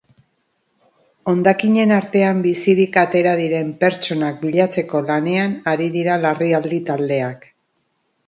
Hondakinen artean bizirik atera diren pertsonak bilatzeko lanean ari dira larrialdi taldeak.